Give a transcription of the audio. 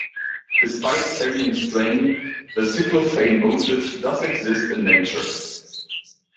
Despite carrying strain, the cyclophane motif does exist in nature.